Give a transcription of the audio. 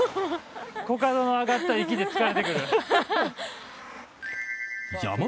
コカドの上がった息で疲れてくる。